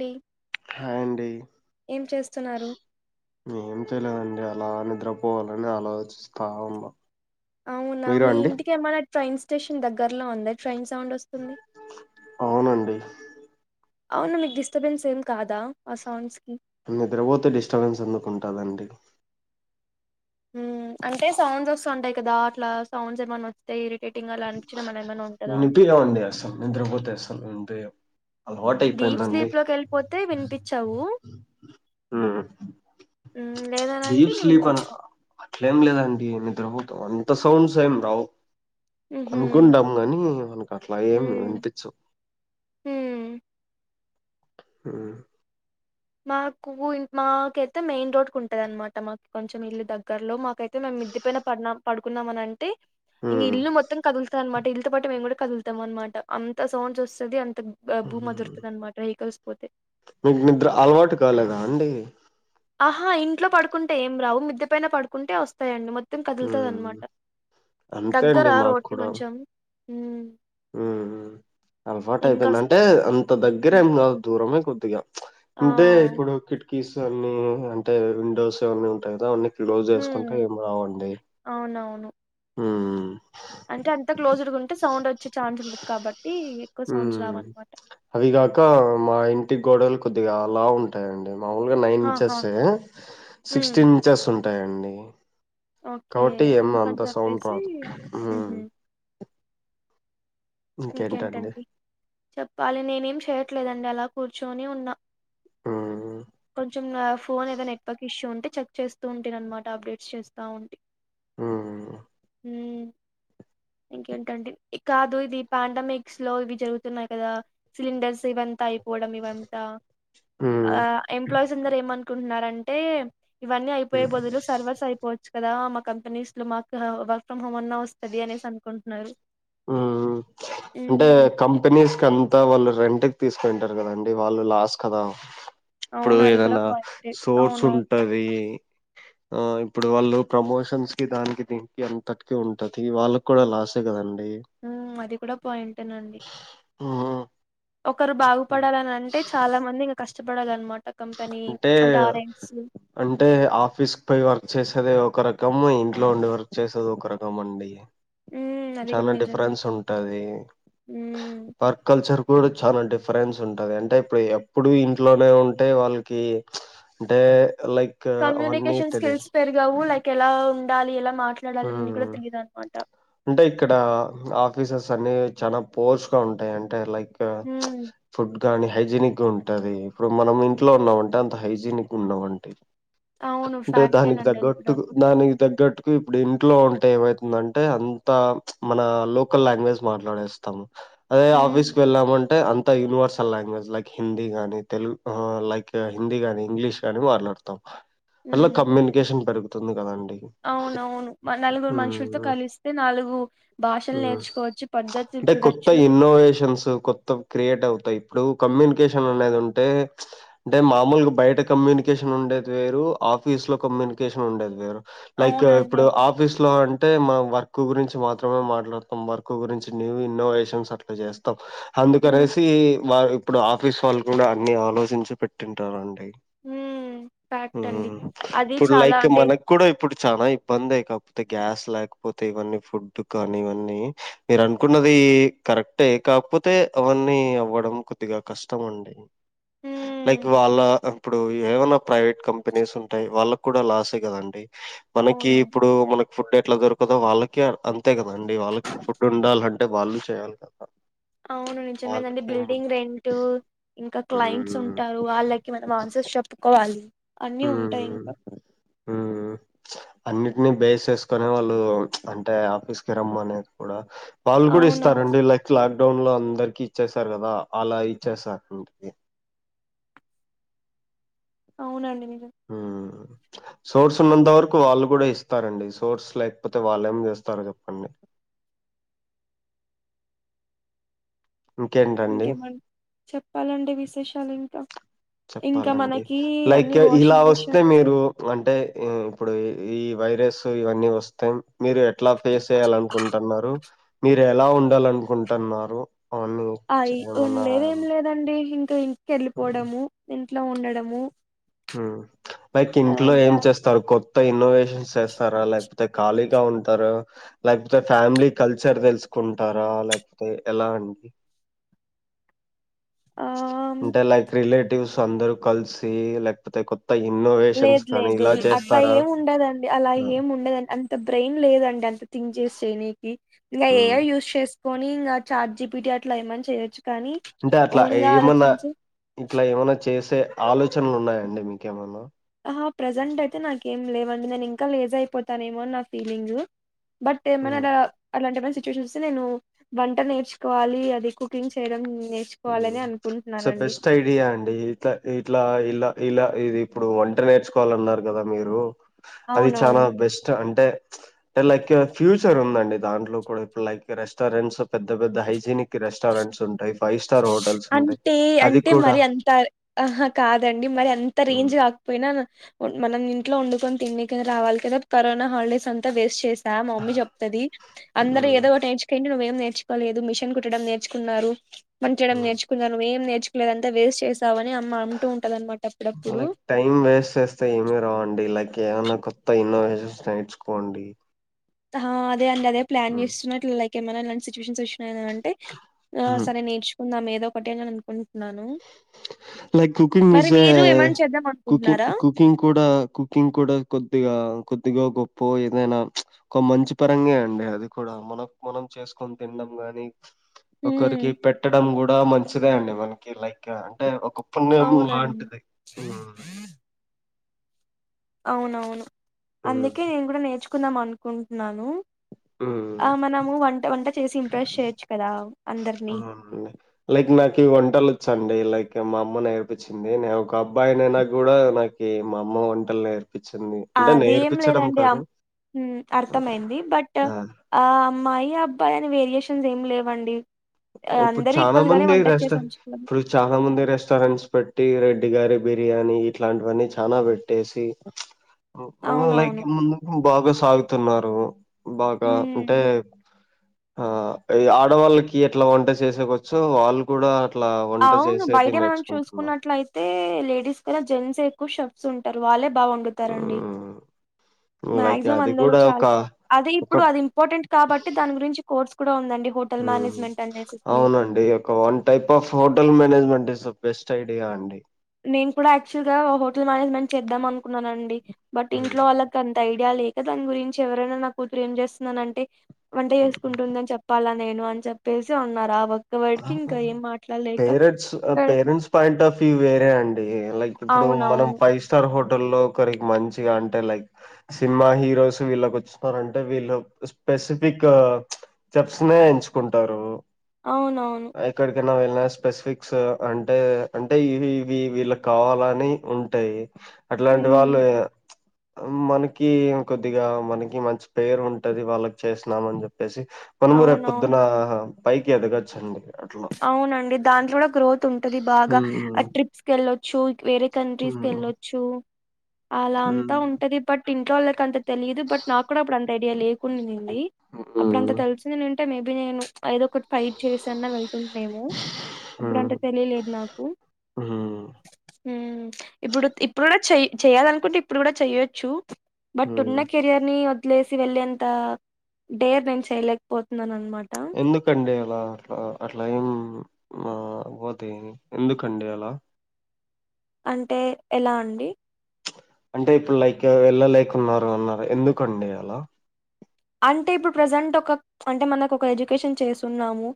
D హా అండి చేస్తున్నారు ఏం చేయలేదు అండి ఎలా నిద్రపోవాల అని ఆలోచిస్తా ఉన్నా అవునా మీరు మీ అండి ఇంటికి ఏమైనా ట్రైన్ స్టేషన్ దగ్గర్లో ఉందా ట్రైన్ సౌండ్ వస్తుంది అవునండి అవును మీకు డిస్టర్బెన్స్ ఏం కాదా ఆ సౌండ్స్ కి నిద్రపోతే డిస్టర్బెన్స్ ఎందుకుంటదండి ఉమ్ అంటే సౌండ్స్ వస్తంటాయి కదా అట్లా సౌండ్స్ ఏమన్న వస్తే ఇరిటేటింగ్ అలా అనిపించడం అలా ఏమైనా ఉంటదా అని వినిపియ్యవండి అస్సలు నిద్రపోతే అసలు వినిపి డీప్ స్లీప్ లోకి వెళ్ళిపోతే వినిపించవు ఉమ్ లేదనింటే డీప్ ఇంగ స్లీప్ అన్ వినిపిస్తాయి అట్లేం లేదండి నిద్రపోతా అంత సౌండ్స్ ఏం రావు మ్హూ అనుకుంటాము కాని మనకు అట్లా ఏమి వినిపించవ్ ఉమ్ ఉమ్ మాకు మాకైతే మెయిన్ రోడ్ కు ఉంటది అనమాట మాకు కొంచెం ఇల్లు దగ్గరలో మాకైతే మే మిద్ది పైన పడినాం పడుకున్నామనీ అంటే అంటే ఇంక ఉమ్ ఇల్లు మొత్తం కదులుతాది అనమాట ఇల్లుతో పాటు మేము కూడా కదులుతాం అనమాట అంత సౌండ్స్ వస్తుంది భూమి ఉమ్. అదురుతది అనమాట వెహికల్స్ పోతే మీకు నిద్ర అలవాటు కాలేదా అండి ఆహా ఇంట్లో పడుకుంటే ఏం రావు మిద్ది పైన పడుకుంటే వస్తాయండి మ మొత్తం కదులుతాది ఉమ్ అన్నమాట అంతే దగ్గర అండి రోడ్కి కొంచెం ఉమ్ ఉమ్ అలవాటు ఇంకా అయిపోయింది స్- అంటే అంత దగ్గరే ఏం కాదు దూరమే కొద్దిగా ప్చ్ ఆ అంటే ఇప్పుడు కిటికీస్ అన్ని అంటే విండోస్ అవన్నీ ఉంటాయి కదా అవన్ని క్లోజ్ ఉమ్ చేసుకుంటే ఏం రావండి అవునవును ఉమ్ అంటే అంత క్లోజ్డ్గా ఉంటే సౌండ్ వచ్చే ఛాన్స్ ఉండదు కాబట్టి ఎక్కువ సౌండ్స్ రావు అనమాట అదిగాక మా ఇంటి గోడలు కొద్దిగా లావు ఉంటాయండి మామూలుగా నైన్ ఆహా ఇంచెస్ ఏ ఉమ్ సిక్స్టీన్ ఇంచెస్ ఉంటా ఉంటాయండి ఓకే కాబట్టి ఏం అందుకని అంత సౌండ్ చెప్పేసి రాదు ఉహు ఇంకేంటండి చెప్పాలి నేనేమి చేయట్లేదండి అలా కూర్చుని ఉన్నా హ్మ్. కొంచెం నా ఫోన్ ఏదో నెట్వర్క్ ఇష్యూ ఉంటే చెక్ చేస్తూ ఉంటి అనమాట అప్డేట్స్ చేస్తా ఉంటి ఉమ్ ఉమ్ ఇంకేంటండి కాదు ఇది పాండమిక్స్ లో ఇవి జరుగుతున్నాయి కదా సిలిండర్స్ ఇవంతా పోవడం ఇవంతా ఆ హ్మ్. ఎంప్లాయీస్ అందరు ఏమనుకుంటున్నారంటే ఇవన్నీ హ్మ్. అయిపోయే బదులు సర్వర్స్ అయిపోవచ్చు కదా, మా కంపెనీస్ లో మాకు వర్క్ ఫ్రమ్ హోం అన్నా వస్తది అనేసి అనుకుంటున్నారు అంటే మ్మ్ కంపెనీస్ కంతా వాళ్ళు రెంటుక్ తీసుకుంటారు గదండి వాళ్ళు లాస్ కదా ఇప్పుడు అవును అది కూడా ఏదన్నా పాయింటే సోర్స్ అవునవును ఉంటది ఆ ఇప్పుడు వాళ్ళు ప్రమోషన్స్ కి దానికి దీనికి అంతటికి ఉంటది వాళ్ళక్కుడా లాసే కదండి ఉమ్ అది కూడ పాయింటెనండి హ్మ్ ఒకరు బాగుపడాలనంటే చాలా మంది ఇంగ కష్టపడాలన్మాట అంటే అంటే ఆఫీస్ క్పోయి వర్క్ చేసేదే ఒక్ ఒక రకము ఇంట్లో ఉండి వర్క్ చేసేది ఒక రకం అండి హ్మ్ అది కూడా చాలా నిజమే. డిఫరెన్స్ ఉంటది హ్మ్. వర్క్ కల్చర్ కూడా చాలా డిఫరెన్స్ ఉంటది అంటే ఇప్పుడు ఎప్పుడూ ఇంట్లోనే ఉన్ టే వాళ్ళకి అంటే లైక్ అవన్నీ కమ్యూనికేషన్ తెలియదు స్కిల్స్ పెరగవు లైక్ ఎలా ఉండాలి ఎలా మాట్లాడాలి అని కూడా మ్మ్ తెలియదన్నమాట అంటే ఇక్కడ ఆఫీసెస్ అన్ని చాలా పోర్స్ గా ఉంటాయి అంటే లైక్ హ్మ్. ఫుడ్ గానీ హైజనిక్ గుంటది ఇప్పుడు మనం ఇంట్లో ఉన్నమంటే అంత హైజీనిక్గ ఉండం అంటే అవును. అంటే దానికి ఫ్యాక్టేనండి అది కూడా. తగ్గట్టుగ దానికి తగ్గట్టుకు ఇప్పుడు ఇంట్లో ఉంటే ఏమైతుందంట్ టే అంతా మన లోకల్ లాంగ్వేజ్ మాట్లాడేస్తము అదే హ్మ్. ఆఫీస్కి వెళ్ళామంటే అంత్ అంత యూనివర్సల్ లాంగ్వేజ్ లైక్ హిందీ గాని తెలుగు ఉమ్ లైక్ హిందీ గానీ ఇంగ్లీష్ గాని మాట్లాడతాం అట్ల హ్మ్. కమ్యూనికేషన్ పెరుగుతుంది గదాండ్ అవునవును మ నలుగురు మనుషులతో కలిస్ తె నాలుగు భాషల్ హ్మ్. నేర్చుకోవచ్చు పద్ధతులు అంటే కొత్త చూడచ్చు ఇన్నోవేషన్స్ కొత్త క్రియేట్ అవుతయి ఇప్పుడు కమ్యూనికేషన్ అనేది ఉంటే అంటే మామూలుగ బయట కమ్యూనికేషన్ ఉన్ ఉండేది వేరు, ఆఫీస్ లో కమ్యూనికేషన్ ఉండేది వేరు లైక్ అవునండి. ఇప్పుడు అవును. ఆఫీస్ లో అంటే మా వర్క్ క్కు గురించి మాత్రమే మాట్లాడతం వర్క్ గురించి న్యూ ఇన్నోవేషన్స్ అట్ల జేస్తాం హ్మ్. అందుకనేసి వా ఇప్పుడు ఆఫీస్ వాళ్ళు కూడా అన్ని ఆలోచించి పెట్టింటారండి హ్మ్. ఫ్యాక్ట్ అండి. హ్మ్ అది ఇప్పుడు చాలా లైక్ అంటే మనక్కుడ ఇప్ ఇప్పుడు చాలా ఇబ్బందే కాపోతే గ్యాస్ లేకపోతే తెవన్నీ ఫుడ్ కానీ ఇవన్నీ మీరనుకున్నది కరెక్టే కాక్పోతే అవన్నీ నీ అవ్వడం కొద్దిగా కష్టమండి హ్మ్. లైక్ అలా ఇప్పుడు ఏమైనా ప్రైవేట్ కంపెనీస్ ఉంటయి వాళ్ళక్కుడా లాసే కదండి మనకి అవును. ఇప్పుడు మనకు ఫుడ్ ఎట్లా దొరకదో వాళ్ళకి అంత్ అంతే గదండి వాళ్ళకి ఫుడ్ ఉండాలంటే వాళ్ళు చేయాలి కదా అవును నిజమే నండి వాళ్ళకేముం బిల్డింగ్ రెంట్ ఇంకా క్లైంట్స్ హ్మ్. ఉంటారు వాళ్ళకి మనం ఆన్స చెప్పుకోవాలి అన్ని ఉంటయి ఇంకా హ్మ్. హ్మ్ అన్నిటిని బేస్ చేసుకొనే వాళ్ళు అంటే ఆఫీస్ కి రమ్మనేది కూడా వాళ్ళు గూడ అవునవును ఇస్తారండి లైక్ లాన్ క్డౌన్ లో అందరికి ఇచ్చేసారు గదా అలా ఇచ్చేస్థారింటికి అవునండి మీరు హ్మ్ సోర్స్ ఉన్నంత వరకు వాళ్ళు గూడ ఇస్తారండి సోర్స్ లేకపోతే వాల్లెం జేస్తారు జెప్పండి ఇంకేంటండి ఇంకేమన్ చెప్పాలండి విశేషాలింకా చెప్పాలండి లైక్ ఇలా వాషింగ్ వస్తే మిషన్స్ మీరు అంటే ఇ ఇప్పుడు ఈ వైరస్ ఇవన్నీ ఒస్తే మీరు ఎట్లా ఫేస్ చేయాలి అనుకుంటున్నారు, మీరు ఎలా ఉండాల అనుకుంటున్నారు? అయి ఉండేది ఏం లేదండి ఇ తు ఇంటికి వెళ్ళిపోవడము, ఇంట్లో ఉండడము. ఉ పైక్ ఇంట్లో ఏం అవంతా చేస్తారు కొ త ఇన్నోవేషన్స్ చేస్తారా, లేకపోతే ఖాళీగా ఉంటారా, లేకపోతే ఫ్యామిలీ కల్చర్ తెల్సుక్ కుంటారా లేకపోతే ఎలా అండి ఆ అంటే లైక్ రిలేటివ్స్ అందరు కలిసి లేకపోతే కొ లేద్ లేదు అట్లా ఏముండందండి, అలా ఆ ఏమి ఉండదండి, అంత బ్రెయిన్ లేదండి, అంత థింగ్ జెస్ చేయినికి, ఇంగ ఏ హ్మ్ యూస్ చేసుకొని ఇంగ చాట్ జిపిటి అట్లా ఏమన్ చేయొచ్ కానీ ఓన్ గా ఆలోచించి ఇట్ల ఏమన్న చేసే ఆలోచనలు ఉన్నాయండి మీకేమన్న? ఆహా ప్రెజెంట్ అయితే నాకేం లేవండి, నేను ఇంకా లేజ్ అయిపోతానేమో అన్ నా ఫీలింగ్. బట్ ఏమనా హ్మ్ డా అట్లాంటి ఫ్రెండ్స్ సిట్యువేషన్ వస్తే నేను వంట నేర్చుకోవాలి అది కుకింగ్ చేయడం నేర్చుకోవాలని సో అనుకుంటున్నానండి బెస్ట్ ఐడియా అండి ఇట్ల ఇట్లా ఇలా ఇలా ఇది ఇప్పుడు వంట నేర్చుకోవాలన్నారు కదా మీరు, అది చాలా అవునవును బెస్ట్ అంటే అ లైక్ ఫ్యూచర్ ఉందండి దాంట్లో కూడా, ఇప్పుడు లైక్ రెస్టారెంట్స్ పెద్ద పెద్ద హైజీనిక్ రె రెస్టారెంట్స్ ఉంటయ్ అంటే అంటే కూడా మరి అంత ఆహ కాదండి మరి అంత హ్మ్, రేంజ్ కాకపోయినా ఒన్ మనం ఇంట్లో వండుకొని తిన్నికి రావాలి కదా, కరోనా హాలిడేస్ అంతా వేస్ట్ చేస్ త మా మమ్మీ చెప్తది. అందరు హ్మ్, ఏదోటి నేర్చుకోయింటే నువ్వే నేర్చుకోలేదు, మిషన్ కుట్టడం నేర్చుకున్నారు, పని చేయడం హ్మ్. నేర్చుకున్నారు, నువ్వేం నేర్చుకోలేదు అంత వేస్ట్ చేస్ లైక్ టైం వేస్ట్ చేస్తే ఏమీ రావండి లైక్ ఏమన్న కొత్త ఇన్నోవేషన్స్ నేర్చుకోండి. ఆ హ అదే అండ్ అదే ప్లాన్ హ్మ్. చేస్తున్నా, ఇట్ల లైక్ ఏమన్న ఇలాంటి సిచువేషన్స్ వచ్ నేను అంటే ఆ హ్మ్. సరే నేర్చుకుందాం ఏదో ఒకటి అని అనుకుంటున్నాను. లైక్ కుకింగ్ మరి ఇస్ ఏ మీరు ఏమైనా చేద్దాం కుకింగ్ అనుకుంటున్నారా? కుకింగ్ కూడా కుకింగ్ కూడా కొద్దిగా కొద్ కొద్దిగో గొప్పో ఎందైన, ఒక మంచి పరంగే అండి అది కూడా మనక్ మనం చేసుకొని తిండం గాని ఒకరికి హ్మ్. పెట్టడం కూడా మంచిదే అండి మనకి, లైక్ అంటే ఒక పుణ్యం అవునండి. లాంటిది ఉ అవునవును, హ్మ్. అందుకే నేను కూడా నేర్చుకుందాం అనుకుంటున ను ఆ హ్మ్. మనము వంట వంట చేసి ఇంప్రెస్ చేయొచ్చు కదా అందరినీ. అవునండి లైక్ నాకు వంటలు వచ్చండి లైక్ కి మా అమ్మ నేర్పించింది నేను ఒక అబ్బాయి నైనా కూడా నాకి మా అమ్మ వంటలు నేర్ అది ఏం లేదండి ఆ ఉ ఆ! అర్థమయింది, బట్ ఆ అమ్మాయి అబ్బాయి అని వేరియేష్ స్ ఏమి లేవండి ఆహ్, ఇప్పుడు అందరూ చాన ఈక్వల్ గానే మంది వంట రెస్ట చేసి ఉంచుకోవాలి. ఇప్పుడు చాలా మంది రెస్టారెంట్స్ పెట్టి రెడ్డి గారి బిర్యాని ఇట్లాంటివన్ని చాన పెట్టేసి, ఉ ఉ లైక్ అవునవును. ముందు బాగా సాగుతున్నారు బాగా హ్మ్. అంటే ఆ ఇ ఆడవాళ్ళకి అట్ల వంట చేసేకొచ్చు, ఆళ్ళు కూడా అట్లా వంట అవును చేసేది బయటే మనం నేర్చుకుంటున్నారు. చూసుకున్నట్లయితే లేడీస్ కన్న జెంట్స్ ఎ కు షెఫ్స్ ఉంటరు, వాళ్ళే బా వండుతారండి. హ్మ్. లైక్ మాక్సిమం అది అందరు కూడా ఒక చాల్ అదే ఒక ఇప్పుడు అది ఇంపార్టెంట్ కాబట్టి, దాని గురించి కోర్స్ కూడా ఉందండి హోటల్ మేనేజ్మెంట్ అనేసి ఇ ఒక one type of hotel management is the best idea అండి నేను కూడా యాక్చువల్ గా హోటల్ మేనేజ్మెంట్ చేద్దాం అనుకున్నానండి, బట్ హ్మ్. ఇంట్లో వాళ్ళకి అంత ఐ యా లేక దాని గురించి ఎవరైనా నా కూతురు ఏం చేస్తున్నానంటే వంట హ్మ్. చేసుకుంటుందని చెప్పాల నేను అని చెప్పేసి ఉన్నారు ఆ వ నా వాటికి ఆహా! ఇంకా ఏం మాట్లాడలేక పేరెంట్స్ ఏ లైక్ ఇప్పుడు మనం అవునవును ఫైవ్ స్టార్ హోట్ టోల్లో ఒకరి మంచిగా అంటే లైక్ సినిమా హీరోస్ వీళ్ళకి [unintelligible] న్నారంటే వీళ్ళ స్పెసిఫిక్ చెప్స్నే ఎంచుకుంటారు అవునవును ఎలా స్పెసిఫిక్స్ అంటే అంటే ఇవి ఇవి వీళ్ళ కావాలని ఉంటాయి అట్లాంటి ఉమ్ వాళ్ళు మనకి కొద్దిగా మనకి మంచి పేరు ఉంటది వాళ్ళకి చేసినామని చెప్ చెప్పేసి మనము రేప్ అవునవును పొద్దున పైకి ఎదగోచ్చండి అవునండి దాంట్లో కూడా గ్రోత్ ఉంటది బాగా ఆ హ్మ్ ట్రిప్స్ కేళ్ళొచ్చు వేరే కంట్రీస్కి ఏళ్ళొచ్చు అలా అంతా హ్మ్ ఉంటది బట్ ఇంట్లో వాళ్ళకి అంత తెలియదు బట్ నాకు కూడా అప్పుడు అంత ఐడియా లేకుండింది ది అప్పుడంత తెలిసిందంటే మేబి నేను ఎదొకటి ఫైట్ చేసన్న వేల్ తుంటేమో అప్పుడంత హ్మ్ తెలిలేదు నాకు హ్మ్ హ్మ్ ఇప్పుడు ఇప్పుడు కూడా చేయి చేయాలనుకుంటే ఇప్పుడు కూడా చేయొచ్చు బట్ ఉన్న కెరియర్ ని వదిలేసి వెళ్ళేంత డేర్ నేను చేయలేకపోతున్నాన్ ఎందుకండే లా ఆ అట్లా ఏం మా పోతే ఎందుకండి అలా అంటే ఎలా అండి అంటే ఇప్పుడు లైక్ వెళ్ళలేకున్నారు అన్నారు ఎందుకండి అలా అంటే ఇప్పుడు ప్రజెంట్ ఒక అంటే మనకు ఒక ఎడ్యుకేషన్ చేసున్నాము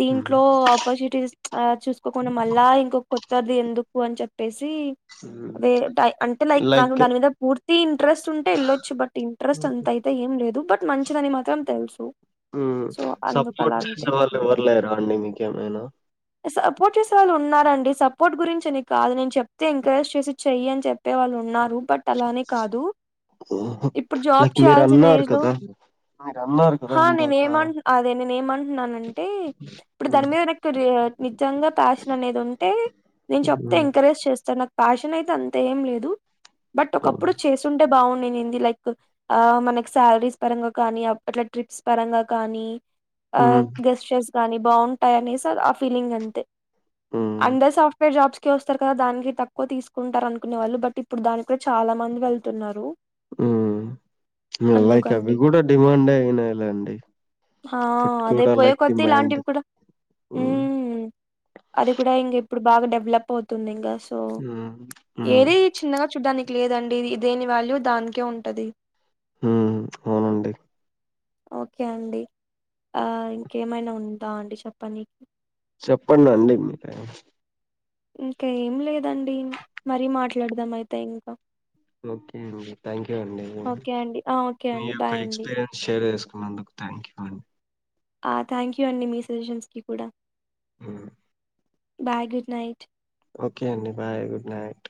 దీంట్లో ఆపర్చునిటీస్ ఆ చూసుకోకుండా మళ్ళా ఇంకొ కొత్తది ఎందుకు అని చెప్పేసి ఉమ్. దీ అంటే లైక్ నాకు దాని మీద పూర్తి ఇంట్రెస్ట్ ఉంటే వెళ్ళొచ్చు బట్ ఇంట్రెస్ట్ అంతయితే ఏం లేదు బట్ మంచిదని మాత్రం తెలుసు సో, అందుకలా సపోర్ట్ అంతే. చేసే వాళ్ళు ఎవ్వరులేరా అండి మీకేవరైనా సపోర్ట్ చేసేవాళ్ ఉన్ ఉన్నారండి సపోర్ట్ గురించని కాదు నేను చెప్తే ఎంకరేజ్ చేసి చెయ్యి అని చెప్పే వాళ్ళు ఉన్నారు బట్ అలానే కాదు ఇప్పుడు జాబ్ లైక్ మీరు చేయాల్సిన అన్నారు ఏజ్ లో కదా మీరు అన్నారు కదా ఆ ఇందాక నేనేమం అదే నేను ఏమంటున్నానంటే ఇప్పుడు మ్మ్ దాని మీద నిక్ ర్ నిజంగా ప్యాషన్ అనేది ఉంటే నేను చెప్తే మ్మ్ ఎంకరేజ్ చేస్తా నాక్ ఫ్యాషన్ అయితే అంత ఏం లేదు బట్ ఒకప్పుడు చేస్తుంటే బాన్నినింది లైక్ ఆ మనకి సాలరీస్ పరంగా కానీ అప్పట్ల ట్రిప్స్ పరంగా కానీ ఆ మ్మ్ గెస్ట్ కానీ బాగుంటాయి అనేసి ఆ ఫీలింగ్ మ్మ్. అందర్ సాఫ్ట్వేర్ జాబ్స్ కి వస్తారు కదా దానికి తక్కువ తీసుకుంటారు అనుకునే వాళ్ళు బట్ ఇప్పుడు దానికి కూడా చాలా మంది వెళ్తున్నారు హ్మ్ మల్లా ఇక అవి అందుకండి కూడా డిమాండే అయినాయి లేండి ఆ అదే పోయే కొద్ది ఇలాంటివి కూడా ఉ మ్మ్ అది కూడా ఇంగిప్పుడు బాగా డెవలప్ అవుతుంది ఇంగా సో మ్మ్ మ్మ్ ఏది చిన్నగా చూడ్డానికి లేదండి దేని వాల్యూ దానికే ఉంటది హ్మ్ అవునండి ఓకే అండి ఇంకేమైనా ఉందా అండి చెప్పని చెప్పండండి మీరే ఇంకా ఏం లేదండి మరీ మాట్లాడదాం అయితే ఇంకా ఓకే అండి థ్యాంక్ యూ అండి ఓకే అండి ఆ ఓకే మీ అండి బాయ్ యొక్క అండి ఎక్స్పీరియన్స్ షేర్ చేసుకు అందుకు థ్యాంక్ యూ అం ఆ థ్యాంక్ యూ అండి మీ సజెషన్స్ కి కూడా హ్మ్ బాయ్ గుడ్ నైట్ ఓకే అండి బాయ్ గుడ్ నైట్